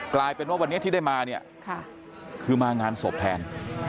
กลายเป็นว่าวันนี้ที่ได้มาเนี่ยคือมางานศพแทน